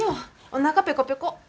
おなかペコペコ！